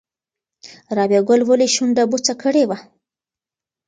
رابعه ګل ولې شونډه بوڅه کړې وه؟